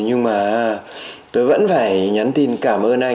nhưng mà tôi vẫn phải nhắn tin cảm ơn anh đã sẵn